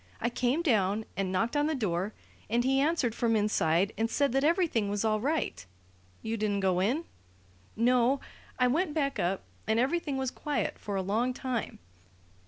I came down and knocked on the door, and he answered from inside and said that everything was all right " "You didn't go in?" "No. I went back up, and everything was quiet for a long time.